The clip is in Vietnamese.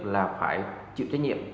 là phải chịu trách nhiệm